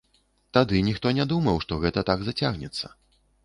Тады ніхто не думаў, што гэта так зацягнецца.